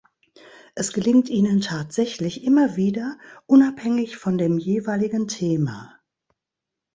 Es gelingt Ihnen tatsächlich immer wieder, unabhängig von dem jeweiligen Thema.